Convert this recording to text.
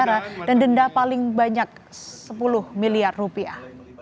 negara dan denda paling banyak sepuluh miliar rupiah